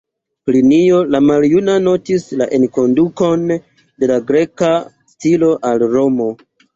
Plinio la maljuna notis la enkondukon de la greka stilo al Romo.